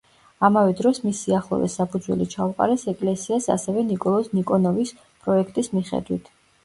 ამავე დროს მის სიახლოვეს საფუძველი ჩაუყარეს ეკლესიას ასევე ნიკოლოზ ნიკონოვის პროექტის მიხედვით.